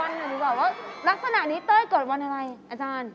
นักภานะนี่เต้ยเกิดวันอะไรอาจารย์